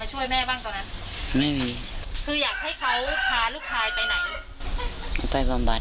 อ๋อฮือไปความบัด